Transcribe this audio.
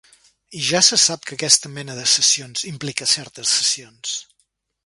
I ja se sap que aquesta mena de sessions impliquen certes cessions.